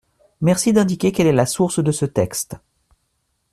Merci d’indiquer quelle est la source de ce texte .